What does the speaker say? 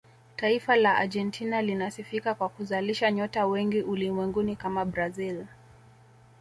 taifa la argentina linasifika kwa kuzalisha nyota wengi ulimwenguni kama brazil